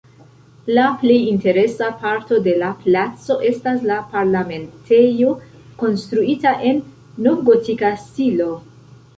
La plej interesa parto de la placo estas la Parlamentejo konstruita en novgotika stilo.